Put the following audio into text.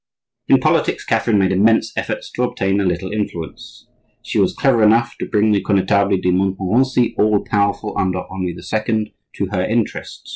In politics, Catherine made immense efforts to obtain a little influence. She was clever enough to bring the Connetable de Montmorency, all powerful under Henri II., to her interests.